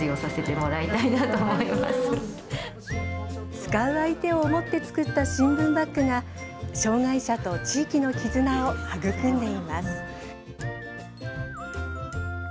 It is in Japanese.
使う相手を思って作った新聞バッグが障害者と地域の絆を育んでいます。